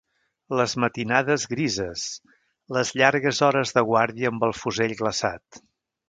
Les matinades grises, les llargues hores de guàrdia amb el fusell glaçat